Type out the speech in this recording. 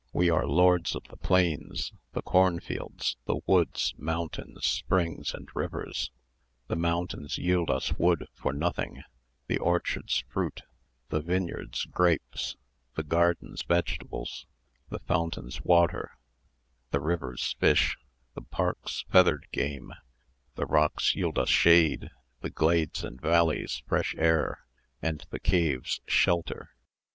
We are lords of the plains, the corn fields, the woods, mountains, springs, and rivers. The mountains yield us wood for nothing, the orchards fruit, the vineyards grapes, the gardens vegetables, the fountains water, the rivers fish, the parks feathered game; the rocks yield us shade, the glades and valleys fresh air, and the caves shelter.